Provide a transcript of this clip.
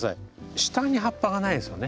下に葉っぱがないですよね。